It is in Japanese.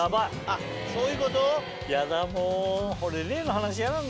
あっそういう事？